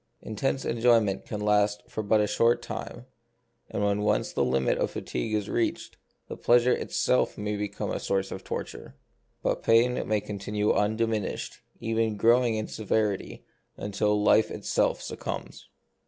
Intense enjoyment can last but for a short time, and when once the limit of fatigue is reached, the pleasure itself may become a source of torture ; but pain may continue undiminished, even growing in severity, until life itself succumbs.